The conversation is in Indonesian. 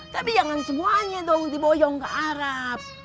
tapi jangan semuanya dong diboyong ke arab